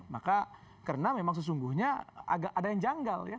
maka karena memang sesungguhnya ada yang janggal ya